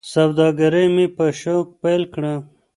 سوداګري مې په شوق پیل کړه.